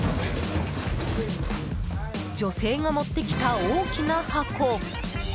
女性が持ってきた大きな箱。